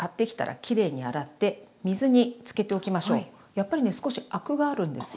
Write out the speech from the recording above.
やっぱりね少しアクがあるんですよ。